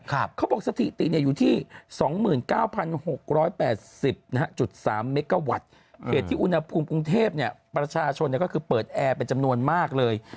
เขาบอกว่าสถิติอยู่ที่๒๙๖๘๐๓เมกาวัตต์เหตุที่อุณหภูมิกรุงเทพประชาชนก็คือเปิดแอร์เป็นจำนวนมากเลย